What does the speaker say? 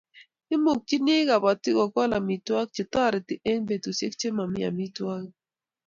imukchini kabatik ko kol amitwogik che tareti eng'petushek che mamii amitwogik